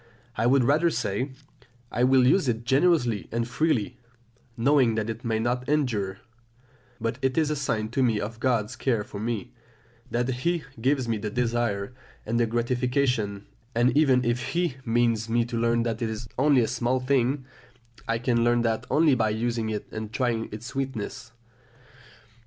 I would rather say, "I will use it generously and freely, knowing that it may not endure; but it is a sign to me of God's care for me, that He gives me the desire and the gratification; and even if He means me to learn that it is only a small thing, I can learn that only by using it and trying its sweetness."